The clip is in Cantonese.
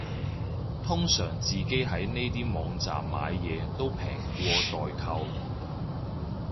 通常自己喺呢啲網站買嘢都平過代購